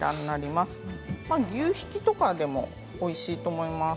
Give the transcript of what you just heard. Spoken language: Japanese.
牛ひき肉とかでもおいしいと思います。